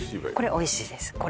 これおいしいです